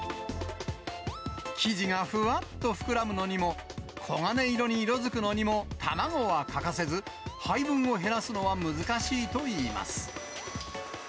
生地がふわっと膨らむのにも、黄金色に色づくのにも、卵は欠かせず、配分を減らすのは難しいといいます。